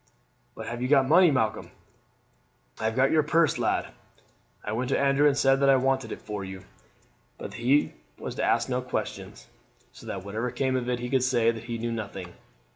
"But have you got money, Malcolm?" "I have got your purse, lad. I went to Andrew and said that I wanted it for you, but that he was to ask no questions, so that whatever came of it he could say that he knew nothing.